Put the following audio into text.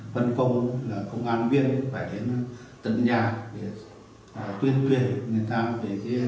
phân công là công an viên cũng phải đến tận nhà để tuyên truyền người ta về quy định của nhà nước trong việc là xuất khẩu lao động